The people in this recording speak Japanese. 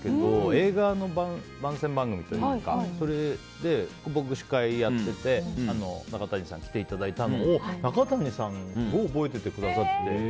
映画の番宣番組で僕、司会をやってて中谷さんに来ていただいたのを中谷さんが覚えててくださって。